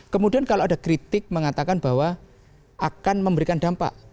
kemudian kalau ada kritik mengatakan bahwa akan memberikan dampak